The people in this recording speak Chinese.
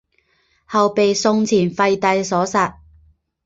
后被宋前废帝所杀。